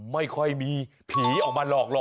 ไม่ค่อยมีผีออกมาหลอกหล่อ